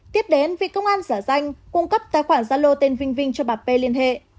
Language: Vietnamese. tiếp đến vì công an giả danh cung cấp tài khoản gia lô tên vinh cho bà p liên hệ